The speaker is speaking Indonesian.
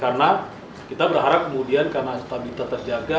karena kita berharap kemudian karena stabilitas terjaga